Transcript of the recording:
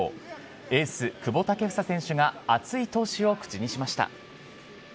エース、久保建英選手が熱い闘志を口にしました。